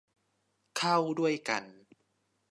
เข้าด้วยกัน